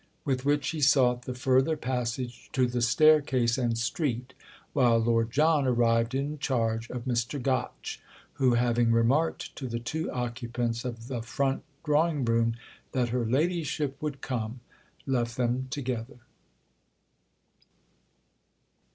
With which he sought the further passage to the staircase and street, while Lord John arrived in charge of Mr. Gotch, who, having remarked to the two occupants of the front drawing room that her ladyship would come, left them together.